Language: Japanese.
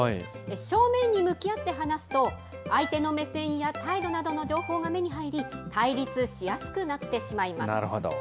正面に向き合って話すと、相手の目線や態度などの情報が目に入り、対立しやすくなってしまいます。